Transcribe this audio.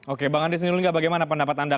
oke bang andries nulungga bagaimana pendapat anda